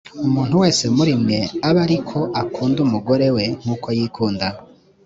umuntu wese muri mwe abe ari ko akunda umugore we nk uko yikunda